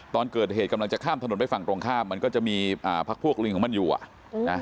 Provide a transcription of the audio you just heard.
ตอนเกิดเหตุกำลังจะข้ามถนนไปฝั่งตรงข้ามมันก็จะมีพักพวกลิงของมันอยู่อ่ะนะ